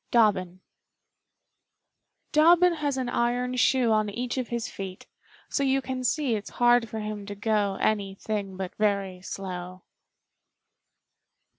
_ Dobbin Dobbin has an iron shoe On each of his feet, so you Can see it's hard for him to go Anything but very slow.